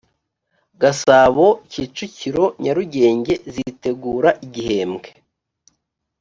gasabo kicukiro nyarugenge zitegura igihembwe